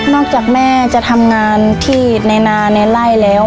จากแม่จะทำงานที่ในนาในไล่แล้ว